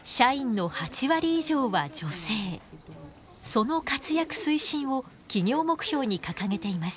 その活躍推進を企業目標に掲げています。